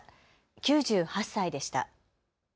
９８歳でした。